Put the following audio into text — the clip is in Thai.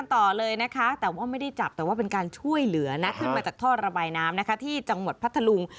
ต่อเลยนะคะแต่ว่าไม่ได้จับแต่ว่าเป็นการช่วยเหลือนะขึ้นมาจากท่อระบายน้ำนะคะที่จังหวัดพัทธลุง